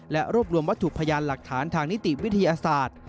และรวบรวมวัตถุพยานหลักฐานทางนิติวิทยาศาสตร์